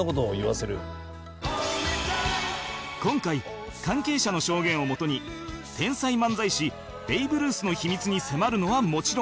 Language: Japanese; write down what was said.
今回関係者の証言をもとに天才漫才師ベイブルースの秘密に迫るのはもちろん